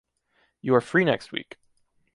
You are free next week.